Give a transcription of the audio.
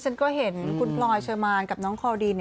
ฉันก็เห็นคุณพลอยเชอร์มานกับน้องคอดีน